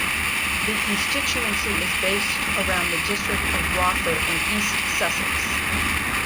The constituency is based around the district of Rother in East Sussex.